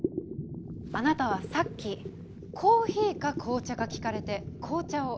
あなたはさっきコーヒーか紅茶か聞かれて紅茶を選びましたね。